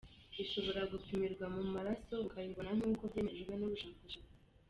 ishobora gupimirwa mu maraso ukayibona nk’uko byemejwe n’ubushakashatsi